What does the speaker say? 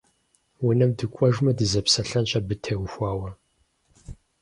Унэм дыкӏуэжмэ, дызэпсэлъэнщ абы теухуауэ.